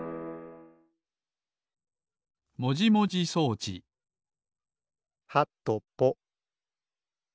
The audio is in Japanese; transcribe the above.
もじもじそうちはとぽ。